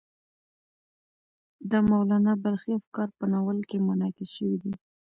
د مولانا بلخي افکار په ناول کې منعکس شوي دي.